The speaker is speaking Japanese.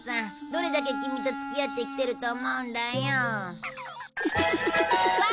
どれだけキミと付き合ってきてると思うんだよ。